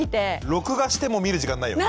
録画しても見る時間ないよね。